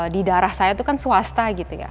di daerah saya itu kan swasta gitu ya